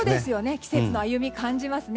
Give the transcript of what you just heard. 季節の歩みを感じますね。